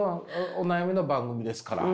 お悩みの番組ですから。